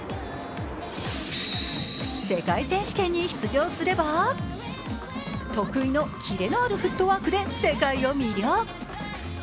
世界選手権に出場すれば、得意のキレのあるフットワークで世界を魅了。